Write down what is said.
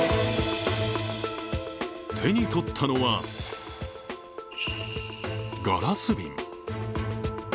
手に取ったのはガラス瓶。